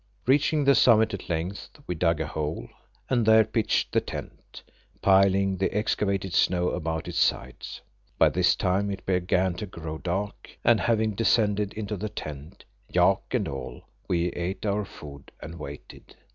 Reaching the summit at length, we dug a hole, and there pitched the tent, piling the excavated snow about its sides. By this time it began to grow dark, and having descended into the tent, yak and all, we ate our food and waited.